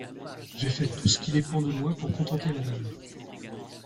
Je fais tout ce qui dépend de moi pour contenter Madame.